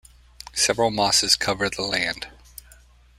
Several mosses cover the land.